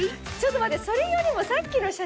ちょっと待ってそれよりもさっきの。